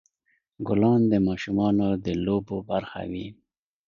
ګلان د ماشومانو د لوبو برخه وي.